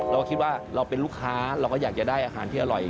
เราคิดว่าเราเป็นลูกค้าเราก็อยากจะได้อาหารที่อร่อย